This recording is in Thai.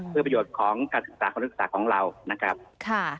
เพื่อประโยชน์ของการศึกษาความศึกษาของเรา